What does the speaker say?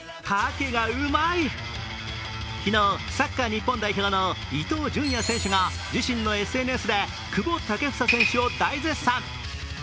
昨日、サッカー日本代表の伊東純也選手が自身のＳＮＳで久保建英選手を大絶賛。